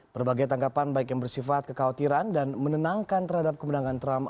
berbagai tanggapan baik yang bersifat kekhawatiran dan menenangkan terhadap kemenangan trump